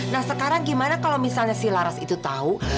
nah sekarang gimana kalau misalnya si laras itu tahu